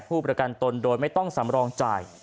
ผู้ประกันตนโดยไม่ต้องสำรองจ่าย